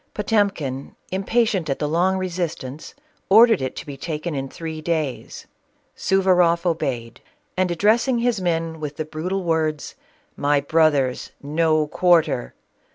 Potemkin, impatient at the long resistance, ordered it to be taken in three days. Suvaroff obeyed, and addressing his men with the brutal words — "My brothers, no quarter!